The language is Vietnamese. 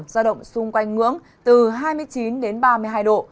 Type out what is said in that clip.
giao động xung quanh ngưỡng từ hai mươi chín đến ba mươi hai độ